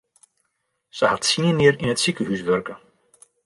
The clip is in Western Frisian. Se hat tsien jier yn it sikehús wurke.